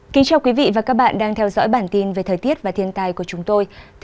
cảm ơn các bạn đã theo dõi và ủng hộ cho bản tin thời tiết và thiên tài của chúng tôi